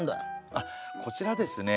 あっこちらですね